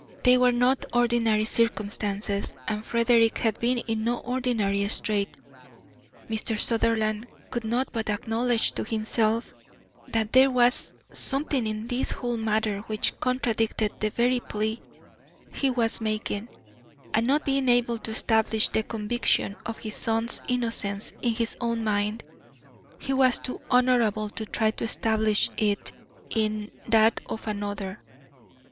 They were not ordinary circumstances, and Frederick had been in no ordinary strait. Mr. Sutherland could not but acknowledge to himself that there was something in this whole matter which contradicted the very plea he was making, and not being able to establish the conviction of his son's innocence in his own mind, he was too honourable to try to establish it in that of another.